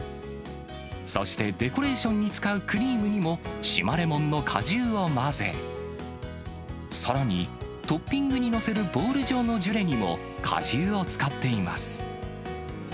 そしてデコレーションに使うクリームにも、島レモンの果汁を混ぜ、さらにトッピングに載せるボール状のジュレにも、果汁を使っています。